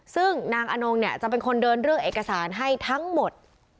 ซึ่งนางอนงเนี่ยจะเป็นคนเดินเรื่องเอกสารให้ทั้งหมด